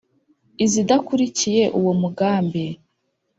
izidakurikiye uwo mugambi,